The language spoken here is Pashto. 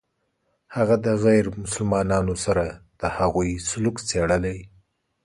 هغه د غیر مسلمانانو سره د هغوی سلوک څېړلی.